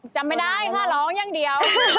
จำไม่ได้ค่ะร้องอย่างเดียว